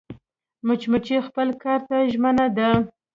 مچمچۍ خپل کار ته ژمنه ده